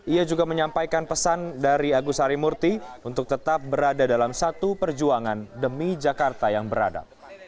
ia juga menyampaikan pesan dari agus harimurti untuk tetap berada dalam satu perjuangan demi jakarta yang berada